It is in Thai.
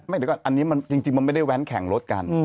ไม่อันนี้จริงมันไม่ได้แว้นแข่งรถกัน